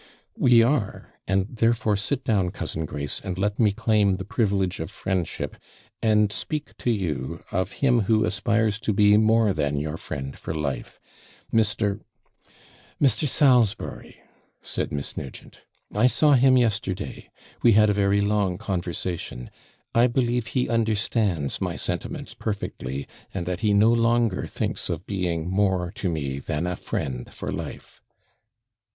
'We are and therefore sit down, cousin Grace, and let me claim the privilege of friendship, and speak to you of him who aspires to be more than your friend for life, Mr. ' Mr. Salisbury!' said Miss Nugent; 'I saw him yesterday. We had a very long conversation; I believe he understands my sentiments perfectly, and that he no longer thinks of being more to me than a friend for life.'